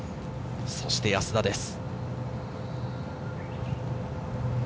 そして安田です。